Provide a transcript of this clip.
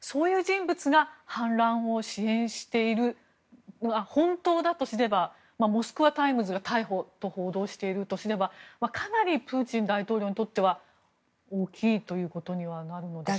そういう人物が反乱を支援しているのが本当だとすればモスクワ・タイムズが逮捕と報道しているとすればかなりプーチン大統領にとっては大きいということになるでしょうか。